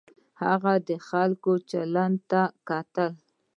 هغه د خلکو چلند ته کتل.